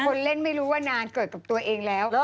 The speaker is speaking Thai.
คนเล่นไม่รู้ว่านานเกิดกับตัวเองแล้ว